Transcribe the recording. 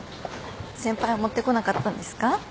先輩は持ってこなかったんですか？